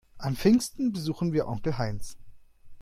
An Pfingsten besuchen wir Onkel Heinz.